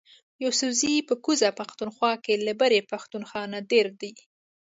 یوسفزي په کوزه پښتونخوا کی له برۍ پښتونخوا نه ډیر دي